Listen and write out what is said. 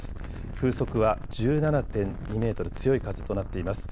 風速は１７．２メートル、強い風となっています。